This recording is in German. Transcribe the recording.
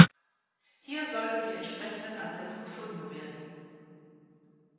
Hier sollten die entsprechenden Ansätze gefunden werden.